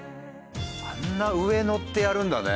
あんな上乗ってやるんだね。